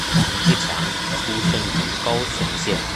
陈志强出生于高雄县。